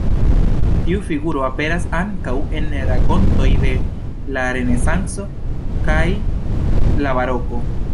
Tiu figuro aperas ankaŭ en rakontoj de la Renesanco kaj la Baroko.